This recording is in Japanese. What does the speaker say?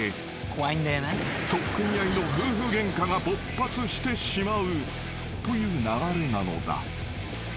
［取っ組み合いの夫婦ゲンカが勃発してしまうという流れなのだ］